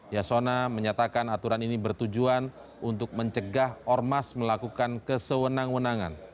yasona menyatakan aturan ini bertujuan untuk mencegah ormas melakukan kesewenang wenangan